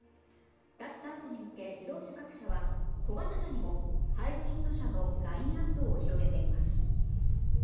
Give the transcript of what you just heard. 脱炭素に向け自動車各社は小型車にもハイブリッド車のラインアップを広げています。